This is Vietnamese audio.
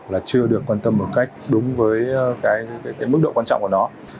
là chưa được quan tâm một cách đúng với cái mức độ quan trọng của nó